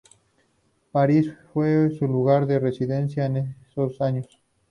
París fue su lugar de residencia en esos años.